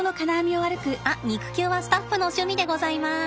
あっ肉球はスタッフの趣味でございます。